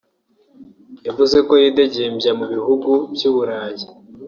yavuze ko yidegembya mu bihugu by’u Burayi